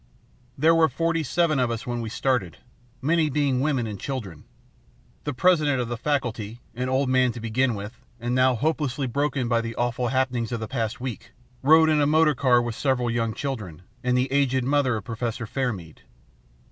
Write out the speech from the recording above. "There were forty seven of us when we started, many being women and children. The President of the Faculty, an old man to begin with, and now hopelessly broken by the awful happenings of the past week, rode in the motor car with several young children and the aged mother of Professor Fairmead.